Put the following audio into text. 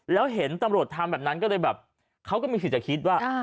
แล้วเห็นตำรวจทำแบบนั้นก็เลยแบบเขาก็มีสิทธิ์จะคิดว่า